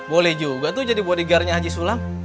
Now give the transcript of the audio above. boleh juga tuh jadi bodyguardnya haji sulam